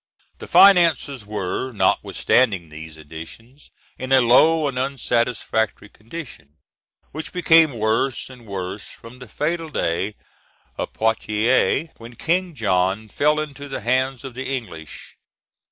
] The finances were, notwithstanding these additions, in a low and unsatisfactory condition, which became worse and worse from the fatal day of Poitiers, when King John fell into the hands of the English.